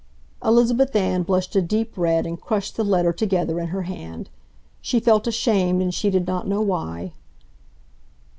Elizabeth Ann blushed a deep red and crushed the letter together in her hand. She felt ashamed and she did not know why.